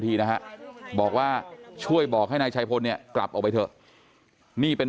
ทีนะฮะบอกว่าช่วยบอกให้นายชัยพลเนี่ยกลับออกไปเถอะนี่เป็น